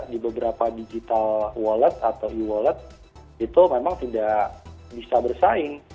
di beberapa digital wallet atau e wallet itu memang tidak bisa bersaing